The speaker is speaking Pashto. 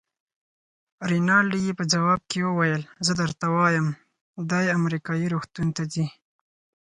رینالډي یې په ځواب کې وویل: زه درته وایم، دی امریکایي روغتون ته ځي.